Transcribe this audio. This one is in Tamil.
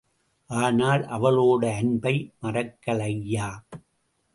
ஆனால் அவளோட அன்பை மறக்கலய்யா.